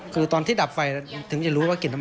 คือตอนที่ดับไฟถึงจะรู้ว่ากลิ่นทำไม